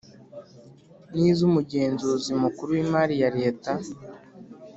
N iz umugenzuzi mukuru w imari ya leta